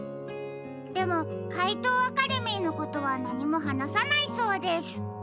でもかいとうアカデミーのことはなにもはなさないそうです。